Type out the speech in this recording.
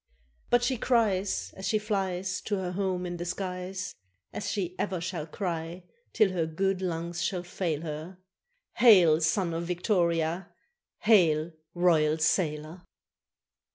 But she cries, As she flies To her home in the skies, As she ever shall cry till her good lungs shall fail her, "Hail, Son of Victoria! hail, Royal Sailor!"